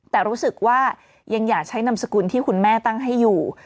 แต่รู้สึกว่ายังอยากใช้นามสกุลที่คุณแม่ตั้งให้อยู่